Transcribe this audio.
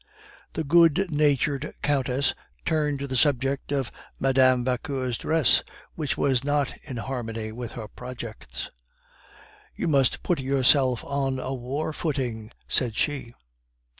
The good natured Countess turned to the subject of Mme. Vauquer's dress, which was not in harmony with her projects. "You must put yourself on a war footing," said she.